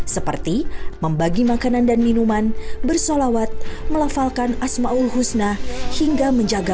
seperti membagi makanan dan minuman bersama dengan masyarakat dan juga dengan masyarakat